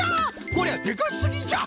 こりゃでかすぎじゃ！